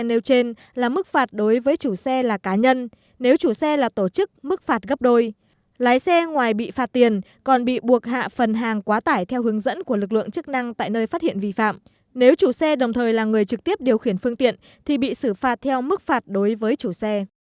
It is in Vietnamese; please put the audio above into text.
nếu chủ xe là cá nhân nếu chủ xe là tổ chức mức phạt gấp đôi lái xe ngoài bị phạt tiền còn bị buộc hạ phần hàng quá tải theo hướng dẫn của lực lượng chức năng tại nơi phát hiện vi phạm nếu chủ xe đồng thời là người trực tiếp điều khiển phương tiện thì bị xử phạt theo mức phạt đối với chủ xe